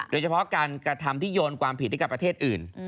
โดยเฉพาะการกระทำที่โยนความผิดให้กับประเทศอื่น